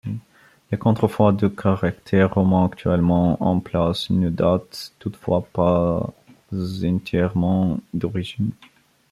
Les contreforts de caractère roman actuellement en place ne datent toutefois pas entièrement d'origine.